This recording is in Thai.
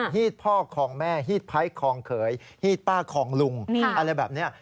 ีดพ่อคลองแม่ฮีดไพ้คองเขยฮีดป้าคองลุงอะไรแบบนี้